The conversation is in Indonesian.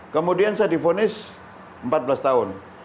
kemudian saya difonis empat belas tahun